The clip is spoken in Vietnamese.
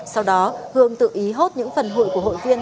sau đó hương tự ý hốt những phần hụi của hụi viên